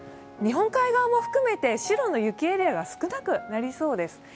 日本海側も含めて白の雪エリアが少なくなりそうです。